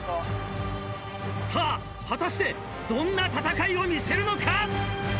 さぁ果たしてどんな戦いを見せるのか⁉